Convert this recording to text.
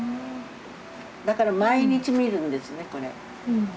だから毎日見るんですねこれ。